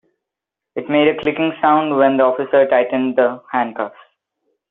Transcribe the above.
It made a clicking sound when the officer tightened the handcuffs.